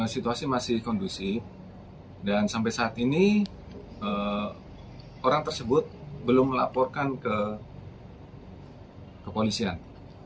situasi masih kondusif dan sampai saat ini orang tersebut belum melaporkan ke kepolisian